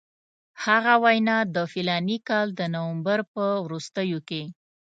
هغه وینا د فلاني کال د نومبر په وروستیو کې.